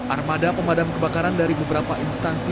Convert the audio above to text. armada pemadam kebakaran dari beberapa instansi